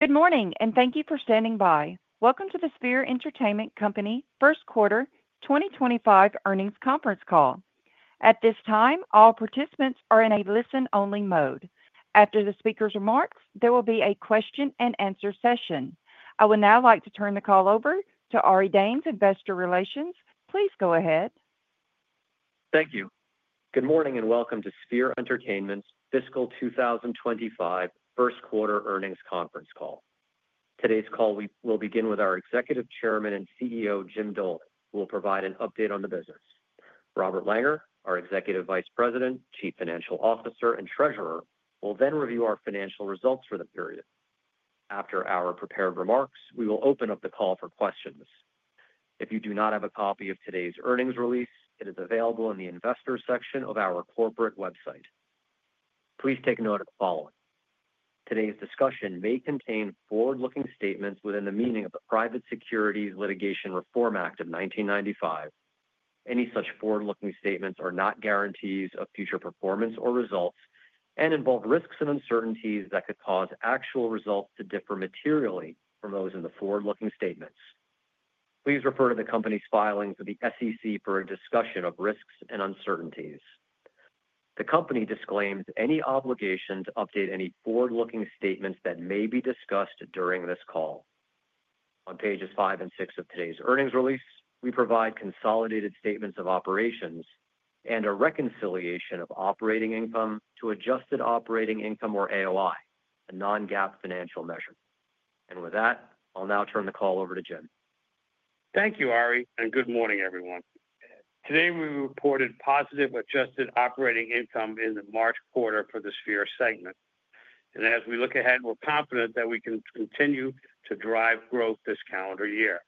Good morning, and thank you for standing by. Welcome to the Sphere Entertainment Company first quarter 2025 earnings conference call. At this time, all participants are in a listen-only mode. After the speaker's remarks, there will be a question-and-answer session. I would now like to turn the call over to Ari Danes of Investor Relations. Please go ahead. Thank you. Good morning and welcome to Sphere Entertainment's fiscal 2025 first quarter earnings conference call. Today's call will begin with our Executive Chairman and CEO, Jim Dolan, who will provide an update on the business. Robert Langer, our Executive Vice President, Chief Financial Officer, and Treasurer, will then review our financial results for the period. After our prepared remarks, we will open up the call for questions. If you do not have a copy of today's earnings release, it is available in the investor section of our corporate website. Please take note of the following: today's discussion may contain forward-looking statements within the meaning of the Private Securities Litigation Reform Act of 1995. Any such forward-looking statements are not guarantees of future performance or results and involve risks and uncertainties that could cause actual results to differ materially from those in the forward-looking statements. Please refer to the company's filings with the SEC for a discussion of risks and uncertainties. The company disclaims any obligation to update any forward-looking statements that may be discussed during this call. On pages five and six of today's earnings release, we provide consolidated statements of operations and a reconciliation of operating income to adjusted operating income, or AOI, a non-GAAP financial measure. With that, I'll now turn the call over to Jim. Thank you, Ari, and good morning, everyone. Today we reported positive adjusted operating income in the March quarter for the Sphere segment. As we look ahead, we're confident that we can continue to drive growth this calendar year.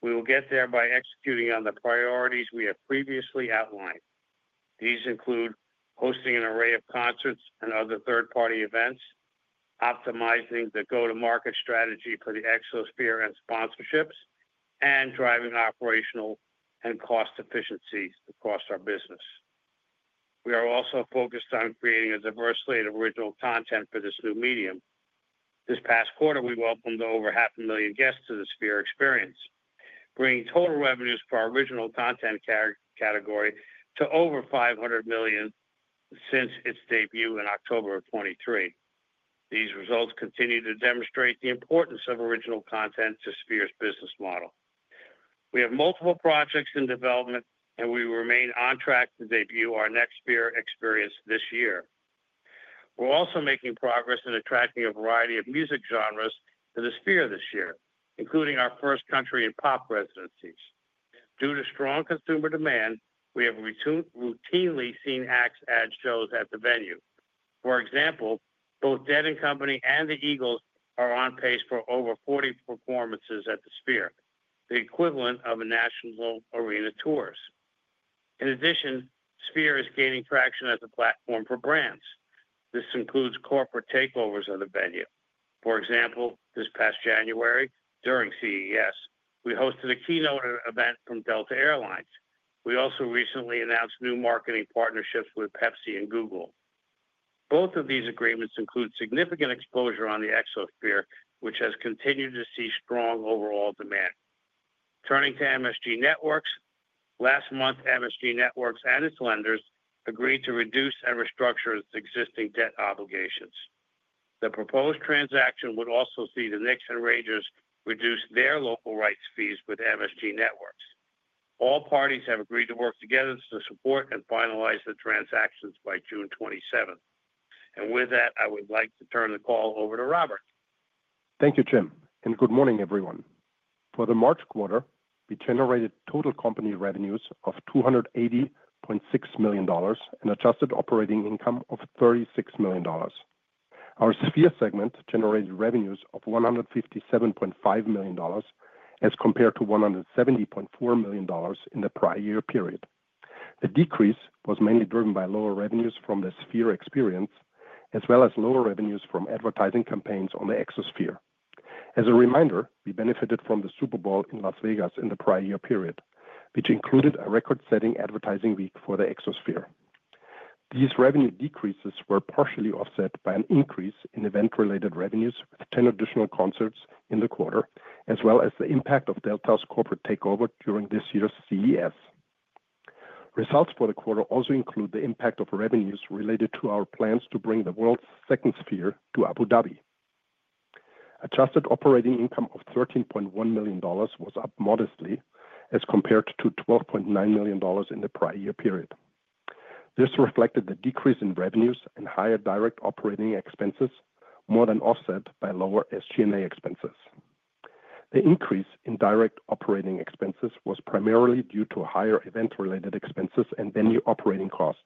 We will get there by executing on the priorities we have previously outlined. These include hosting an array of concerts and other third-party events, optimizing the go-to-market strategy for the Exosphere and sponsorships, and driving operational and cost efficiencies across our business. We are also focused on creating a diverse slate of original content for this new medium. This past quarter, we welcomed over 500,000 guests to the Sphere experience, bringing total revenues for our original content category to over $500 million since its debut in October of 2023. These results continue to demonstrate the importance of original content to Sphere's business model. We have multiple projects in development, and we remain on track to debut our next Sphere experience this year. We're also making progress in attracting a variety of music genres to the Sphere this year, including our first country and pop residencies. Due to strong consumer demand, we have routinely seen Axe ad shows at the venue. For example, both Dead & Company and The Eagles are on pace for over 40 performances at the Sphere, the equivalent of national arena tours. In addition, Sphere is gaining traction as a platform for brands. This includes corporate takeovers of the venue. For example, this past January, during CES, we hosted a keynote event from Delta Air Lines. We also recently announced new marketing partnerships with Pepsi and Google. Both of these agreements include significant exposure on the Exosphere, which has continued to see strong overall demand. Turning to MSG Networks, last month, MSG Networks and its lenders agreed to reduce and restructure its existing debt obligations. The proposed transaction would also see the Knicks and Rangers reduce their local rights fees with MSG Networks. All parties have agreed to work together to support and finalize the transactions by June 27th. I would like to turn the call over to Robert. Thank you, Jim. Good morning, everyone. For the March quarter, we generated total company revenues of $280.6 million and adjusted operating income of $36 million. Our Sphere segment generated revenues of $157.5 million as compared to $170.4 million in the prior year period. The decrease was mainly driven by lower revenues from the Sphere experience, as well as lower revenues from advertising campaigns on the Exosphere. As a reminder, we benefited from the Super Bowl in Las Vegas in the prior year period, which included a record-setting advertising week for the Exosphere. These revenue decreases were partially offset by an increase in event-related revenues with 10 additional concerts in the quarter, as well as the impact of Delta's corporate takeover during this year's CES. Results for the quarter also include the impact of revenues related to our plans to bring the world's second Sphere to Abu Dhabi. Adjusted operating income of $13.1 million was up modestly as compared to $12.9 million in the prior year period. This reflected the decrease in revenues and higher direct operating expenses, more than offset by lower SG&A expenses. The increase in direct operating expenses was primarily due to higher event-related expenses and venue operating costs,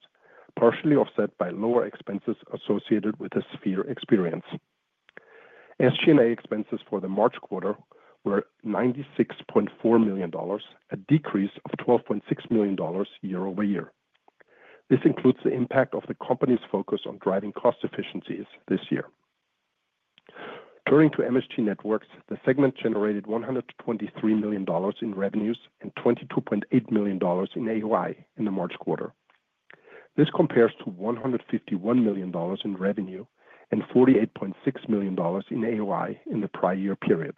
partially offset by lower expenses associated with the Sphere experience. SG&A expenses for the March quarter were $96.4 million, a decrease of $12.6 million year-over-year. This includes the impact of the company's focus on driving cost efficiencies this year. Turning to MSG Networks, the segment generated $123 million in revenues and $22.8 million in AOI in the March quarter. This compares to $151 million in revenue and $48.6 million in AOI in the prior year period.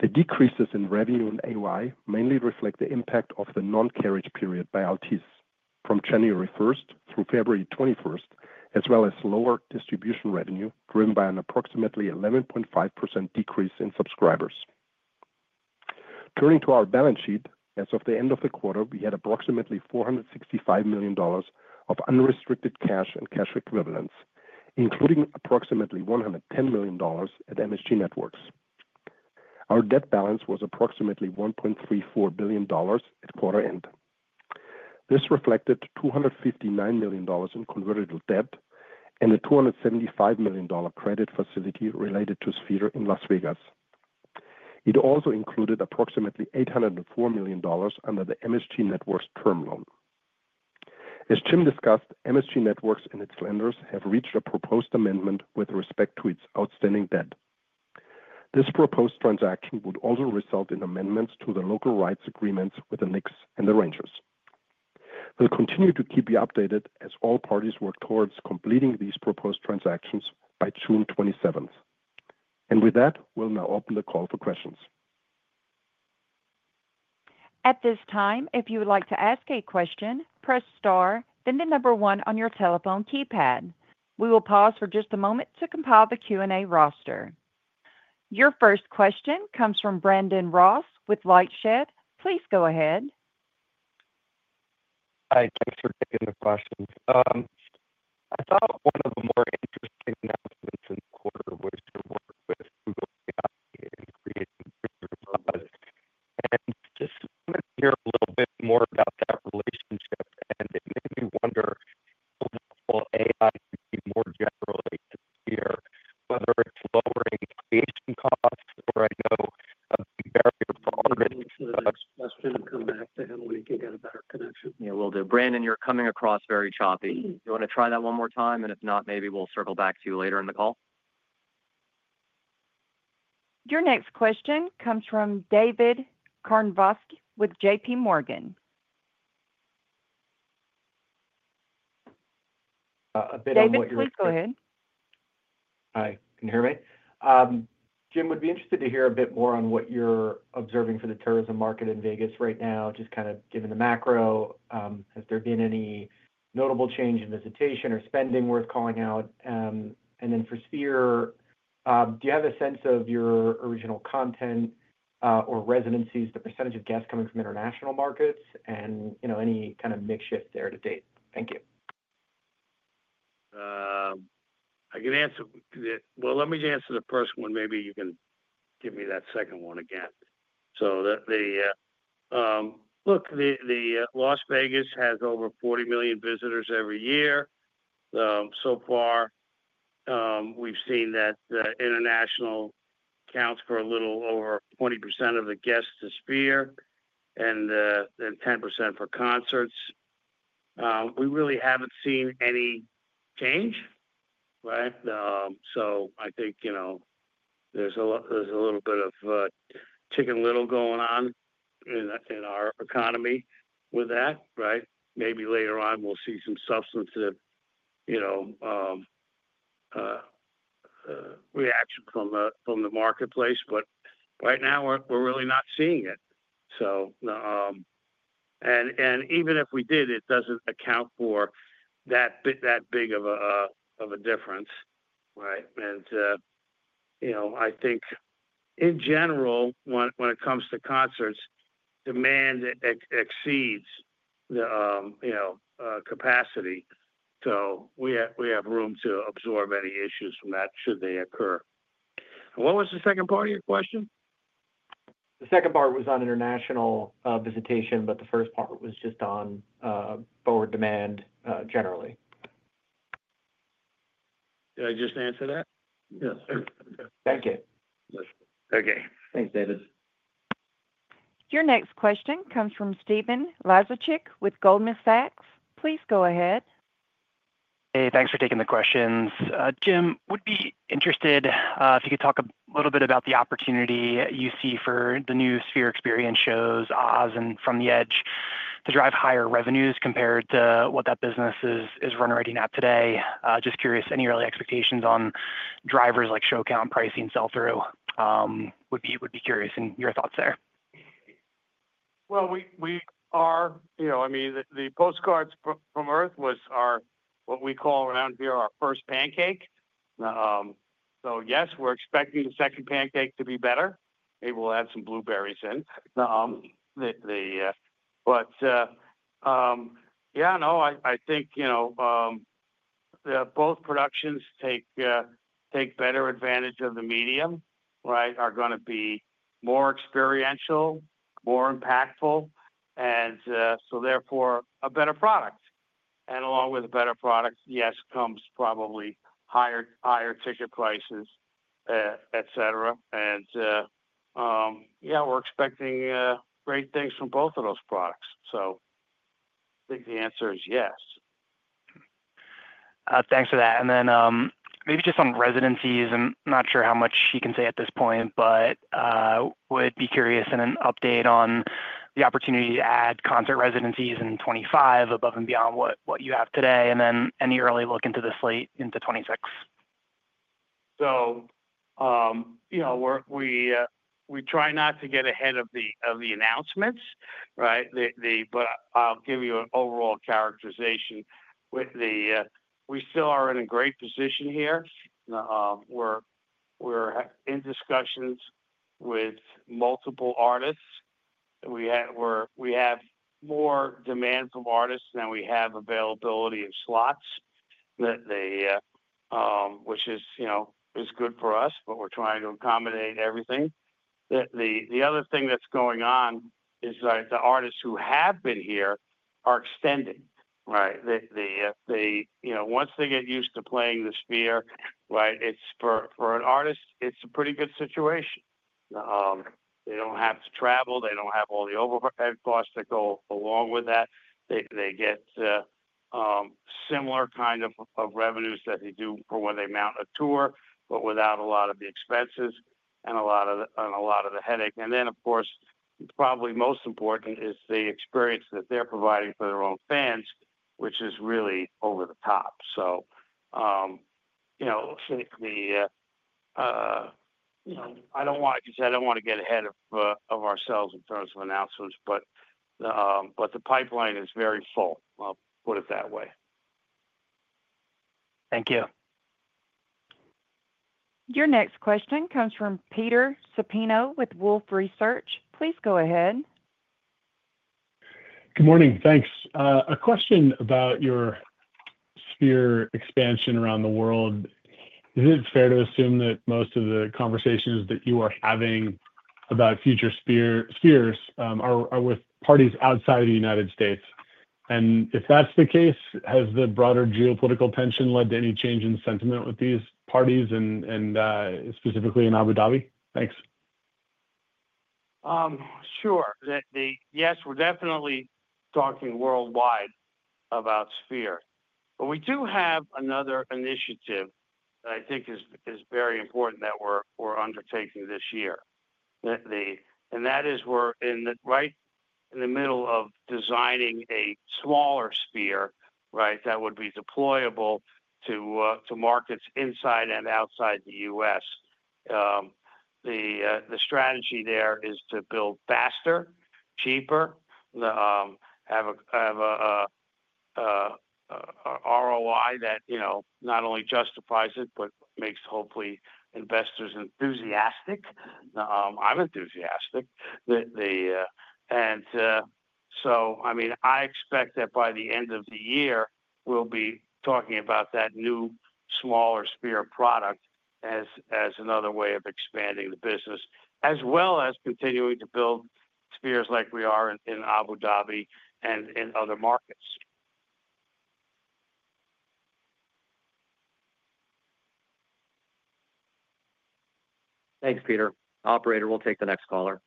The decreases in revenue and AOI mainly reflect the impact of the non-carriage period by Altice from January 1 through February 21, as well as lower distribution revenue driven by an approximately 11.5% decrease in subscribers. Turning to our balance sheet, as of the end of the quarter, we had approximately $465 million of unrestricted cash and cash equivalents, including approximately $110 million at MSG Networks. Our debt balance was approximately $1.34 billion at quarter end. This reflected $259 million in convertible debt and a $275 million credit facility related to Sphere in Las Vegas. It also included approximately $804 million under the MSG Networks term loan. As Jim discussed, MSG Networks and its lenders have reached a proposed amendment with respect to its outstanding debt. This proposed transaction would also result in amendments to the local rights agreements with the Knicks and the Rangers. We'll continue to keep you updated as all parties work towards completing these proposed transactions by June 27. With that, we'll now open the call for questions. At this time, if you would like to ask a question, press star, then the number one on your telephone keypad. We will pause for just a moment to compile the Q&A roster. Your first question comes from Brandon Ross with LightShed. Please go ahead. Hi. Thanks for taking the question. I thought one of the more interesting announcements in the quarter was your work with Google AI and creating computer models. I just wanted to hear a little bit more about that relationship. It made me wonder how useful AI could be more generally to Sphere, whether it's lowering creation costs or, I know, a big barrier for our businesses. I'll just come back to him when he can get a better connection. Yeah, will do. Brandon, you're coming across very choppy. Do you want to try that one more time? If not, maybe we'll circle back to you later in the call. Your next question comes from David Karnovsky with JPMorgan. David, please go ahead. Hi. Can you hear me? Jim, would be interested to hear a bit more on what you're observing for the tourism market in Vegas right now, just kind of given the macro. Has there been any notable change in visitation or spending worth calling out? For Sphere, do you have a sense of your original content or residencies, the percentage of guests coming from international markets, and any kind of makeshift there to date? Thank you. I can answer that. Let me answer the first one. Maybe you can give me that second one again. Look, Las Vegas has over 40 million visitors every year. So far, we've seen that international counts for a little over 20% of the guests to Sphere and then 10% for concerts. We really haven't seen any change, right? I think there's a little bit of chicken little going on in our economy with that, right? Maybe later on, we'll see some substantive reaction from the marketplace. Right now, we're really not seeing it. Even if we did, it doesn't account for that big of a difference, right? I think, in general, when it comes to concerts, demand exceeds the capacity. We have room to absorb any issues from that should they occur. What was the second part of your question? The second part was on international visitation, but the first part was just on forward demand generally. Did I just answer that? Yes. Thank you. Okay. Thanks, David. Your next question comes from Stephen Laszczykwith Goldman Sachs. Please go ahead. Hey, thanks for taking the questions. Jim, would be interested if you could talk a little bit about the opportunity you see for the new Sphere experience shows, Oz, and From the Edge to drive higher revenues compared to what that business is run rating at today. Just curious, any early expectations on drivers like Show Count, Pricing, Sell Through? Would be curious in your thoughts there. I mean, the Postcards from Earth was our, what we call around here, our first pancake. Yes, we're expecting the second pancake to be better. Maybe we'll add some blueberries in. Yeah, no, I think both productions take better advantage of the medium, right? Are going to be more experiential, more impactful, and therefore a better product. Along with a better product, yes, comes probably higher ticket prices, etc. Yeah, we're expecting great things from both of those products. I think the answer is yes. Thanks for that. Maybe just on residencies, I'm not sure how much you can say at this point, but would be curious in an update on the opportunity to add concert residencies in 2025 above and beyond what you have today, and then any early look into the slate into 2026? We try not to get ahead of the announcements, right? I'll give you an overall characterization. We still are in a great position here. We're in discussions with multiple artists. We have more demand from artists than we have availability of slots, which is good for us, but we're trying to accommodate everything. The other thing that's going on is that the artists who have been here are extending, right? Once they get used to playing the Sphere, right, for an artist, it's a pretty good situation. They don't have to travel. They don't have all the overhead costs that go along with that. They get similar kind of revenues that they do for when they mount a tour, but without a lot of the expenses and a lot of the headache. Of course, probably most important is the experience that they're providing for their own fans, which is really over the top. I do not want to get ahead of ourselves in terms of announcements, but the pipeline is very full. I'll put it that way. Thank you. Your next question comes from Peter Supino with Wolfe Research. Please go ahead. Good morning. Thanks. A question about your Sphere expansion around the world. Is it fair to assume that most of the conversations that you are having about future Spheres are with parties outside of the U.S.? If that's the case, has the broader geopolitical tension led to any change in sentiment with these parties, and specifically in Abu Dhabi? Thanks. Sure. Yes, we're definitely talking worldwide about Sphere. We do have another initiative that I think is very important that we're undertaking this year. That is, we're right in the middle of designing a smaller Sphere, right, that would be deployable to markets inside and outside the U.S. The strategy there is to build faster, cheaper, have an ROI that not only justifies it, but makes hopefully investors enthusiastic. I'm enthusiastic. I expect that by the end of the year, we'll be talking about that new smaller Sphere product as another way of expanding the business, as well as continuing to build Spheres like we are in Abu Dhabi and in other markets. Thanks, Peter. Operator will take the next caller.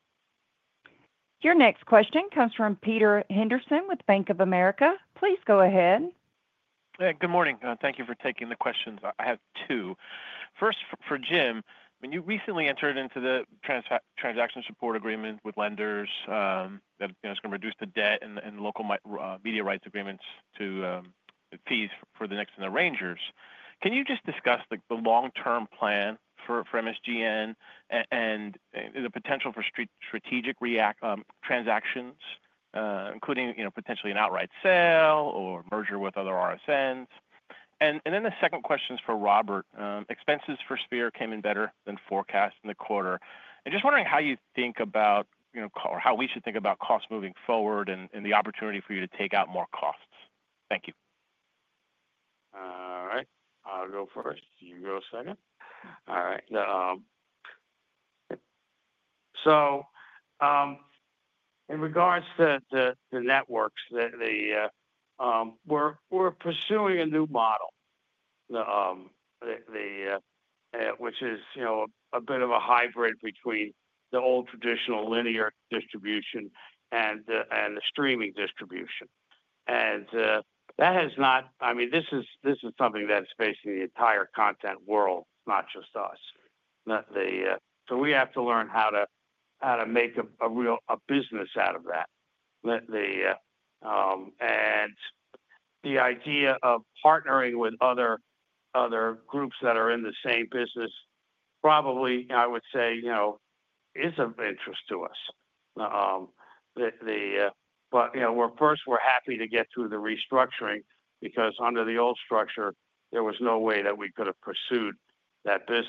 Your next question comes from Peter Henderson with Bank of America. Please go ahead. Good morning. Thank you for taking the questions. I have two. First, for Jim, when you recently entered into the transaction support agreement with lenders that's going to reduce the debt and local media rights agreements to fees for the Knicks and the Rangers, can you just discuss the long-term plan for MSGN and the potential for strategic transactions, including potentially an outright sale or merger with other RSNs? The second question is for Robert. Expenses for Sphere came in better than forecast in the quarter. Just wondering how you think about or how we should think about costs moving forward and the opportunity for you to take out more costs. Thank you. All right. I'll go first. You go second. All right. In regards to the networks, we're pursuing a new model, which is a bit of a hybrid between the old traditional linear distribution and the streaming distribution. That has not, I mean, this is something that's facing the entire content world, not just us. We have to learn how to make a real business out of that. The idea of partnering with other groups that are in the same business probably, I would say, is of interest to us. First, we're happy to get through the restructuring because under the old structure, there was no way that we could have pursued that business.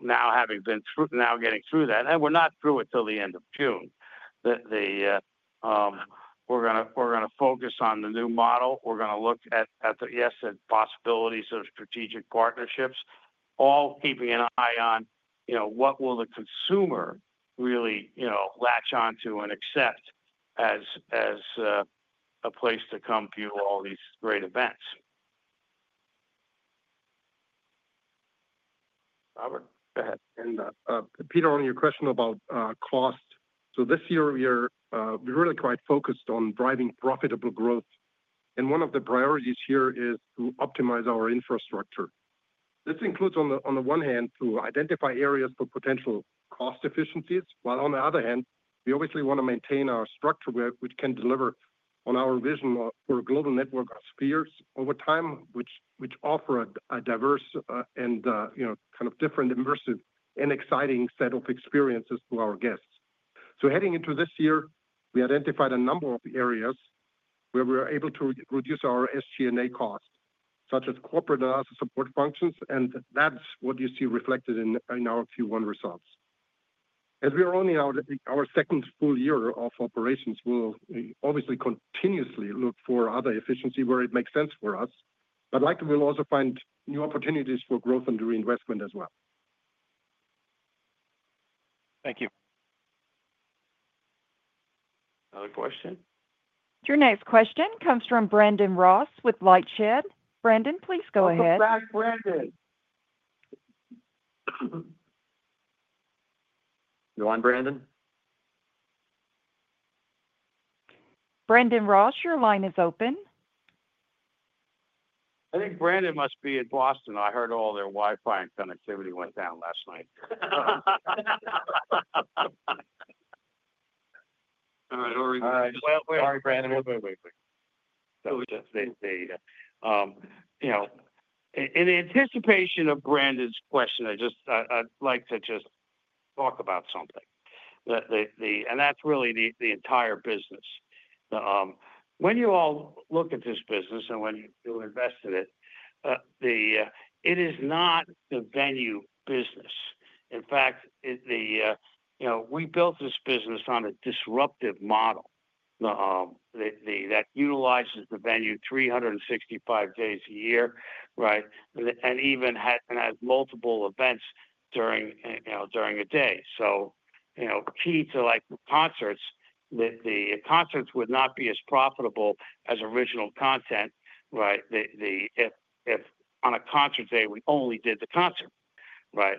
Now having been through, now getting through that, and we're not through it till the end of June, we're going to focus on the new model. We're going to look at the, yes, possibilities of strategic partnerships, all keeping an eye on what will the consumer really latch onto and accept as a place to come view all these great events. Robert, go ahead. Peter, on your question about cost, this year, we're really quite focused on driving profitable growth. One of the priorities here is to optimize our infrastructure. This includes, on the one hand, identifying areas for potential cost efficiencies, while on the other hand, we obviously want to maintain our structure which can deliver on our vision for a global network of Spheres over time, which offer a diverse and kind of different immersive and exciting set of experiences to our guests. Heading into this year, we identified a number of areas where we were able to reduce our SG&A cost, such as corporate and other support functions, and that's what you see reflected in our Q1 results. As we are only in our second full year of operations, we'll obviously continuously look for other efficiencies where it makes sense for us, but likely we'll also find new opportunities for growth and reinvestment as well. Thank you. Another question? Your next question comes from Brandon Ross with LightShed. Brandon, please go ahead. Welcome back, Brandon. You on, Brandon? Brandon Ross, your line is open. I think Brandon must be in Boston. I heard all their Wi-Fi and connectivity went down last night. All right. Sorry, Brandon. Wait, wait, wait. In anticipation of Brandon's question, I'd like to just talk about something. That is really the entire business. When you all look at this business and when you invest in it, it is not the venue business. In fact, we built this business on a disruptive model that utilizes the venue 365 days a year, right, and even has multiple events during a day. Key to the concerts, the concerts would not be as profitable as original content, right, if on a concert day, we only did the concert, right?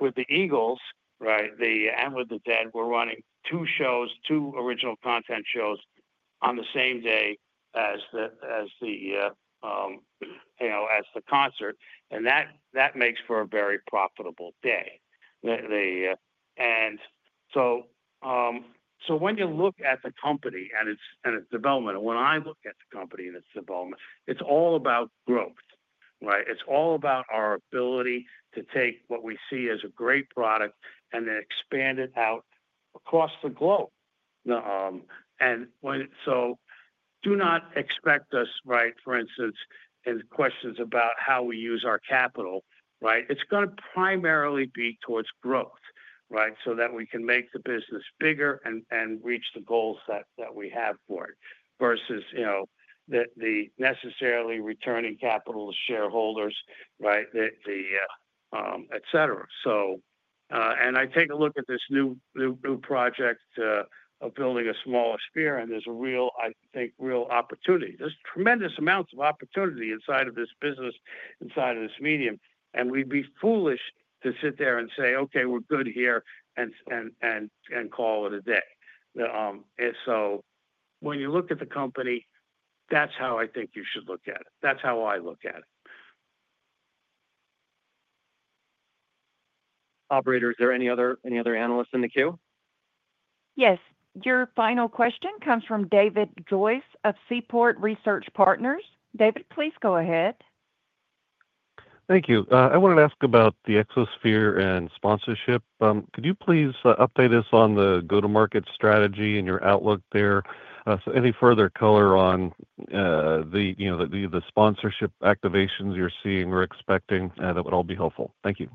With the Eagles, right, and with the Dead, we are running two shows, two original content shows on the same day as the concert. That makes for a very profitable day. When you look at the company and its development, when I look at the company and its development, it's all about growth, right? It's all about our ability to take what we see as a great product and then expand it out across the globe. Do not expect us, right, for instance, in questions about how we use our capital, right, it's going to primarily be towards growth, right, so that we can make the business bigger and reach the goals that we have for it versus necessarily returning capital to shareholders, right, etc. I take a look at this new project of building a smaller Sphere, and there's a real, I think, real opportunity. There's tremendous amounts of opportunity inside of this business, inside of this medium. We'd be foolish to sit there and say, "Okay, we're good here," and call it a day. When you look at the company, that's how I think you should look at it. That's how I look at it. Operator, is there any other analysts in the queue? Yes. Your final question comes from David Joyce of Seaport Research Partners. David, please go ahead. Thank you. I wanted to ask about the Exosphere and sponsorship. Could you please update us on the go-to-market strategy and your outlook there? Any further color on the sponsorship activations you're seeing or expecting, that would all be helpful. Thank you.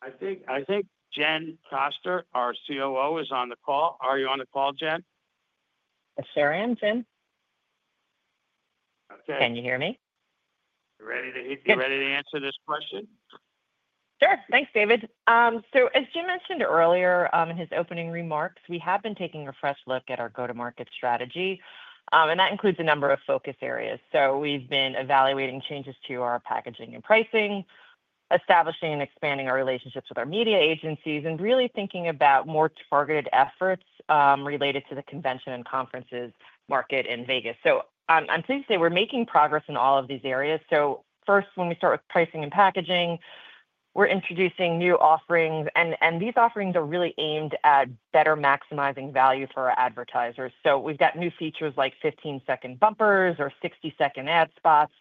I think Jen Koester, our COO, is on the call. Are you on the call, Jen? Sure am, Jim. Okay. Can you hear me? You ready to answer this question? Sure. Thanks, David. As Jim mentioned earlier in his opening remarks, we have been taking a fresh look at our go-to-market strategy. That includes a number of focus areas. We have been evaluating changes to our packaging and pricing, establishing and expanding our relationships with our media agencies, and really thinking about more targeted efforts related to the convention and conferences market in Vegas. I am pleased to say we are making progress in all of these areas. First, when we start with pricing and packaging, we are introducing new offerings. These offerings are really aimed at better maximizing value for our advertisers. We have new features like 15-second bumpers or 60-second ad spots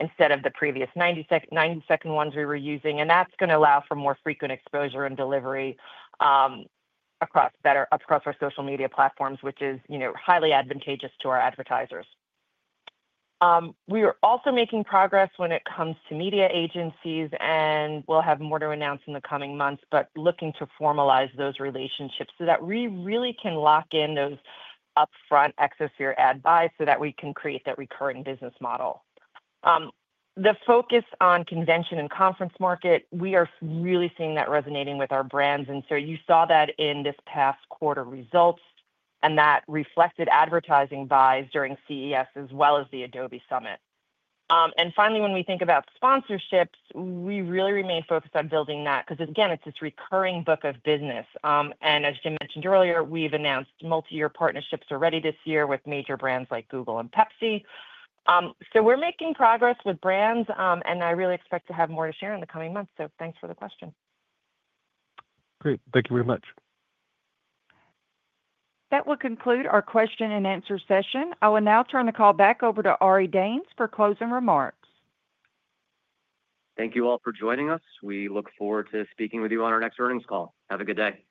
instead of the previous 90-second ones we were using. That is going to allow for more frequent exposure and delivery across our social media platforms, which is highly advantageous to our advertisers. We are also making progress when it comes to media agencies, and we'll have more to announce in the coming months, but looking to formalize those relationships so that we really can lock in those upfront Exosphere ad buys so that we can create that recurring business model. The focus on convention and conference market, we are really seeing that resonating with our brands. You saw that in this past quarter results, and that reflected advertising buys during CES as well as the Adobe Summit. Finally, when we think about sponsorships, we really remain focused on building that because, again, it's this recurring book of business. As Jim mentioned earlier, we've announced multi-year partnerships already this year with major brands like Google and Pepsi. We are making progress with brands, and I really expect to have more to share in the coming months. Thanks for the question. Great. Thank you very much. That will conclude our question and answer session. I will now turn the call back over to Ari Danes for closing remarks. Thank you all for joining us. We look forward to speaking with you on our next earnings call. Have a good day.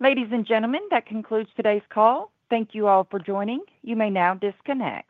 Ladies and gentlemen, that concludes today's call. Thank you all for joining. You may now disconnect.